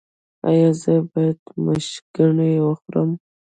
ایا زه باید مشګڼې وخورم؟